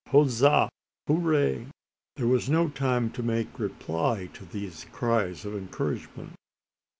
Hooza! hoozay!" There was no time to make reply to these cries of encouragement.